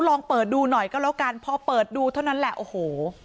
ลองเปิดดูหน่อยก็แล้วกันพอเปิดดูเท่านั้นแหละโอ้โห